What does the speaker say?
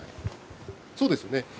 そうですよね。